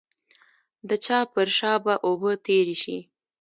د چا پر شا به اوبه تېرې شي.